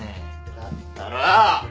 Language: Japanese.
だったら。